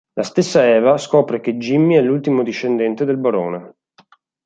La stessa Eva scopre che Jimmy è l'ultimo discendente del barone.